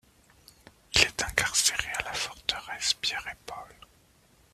Il est incarcéré à la forteresse Pierre-et-Paul.